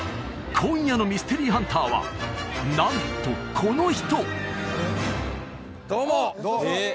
今夜のミステリーハンターはなんとこの人！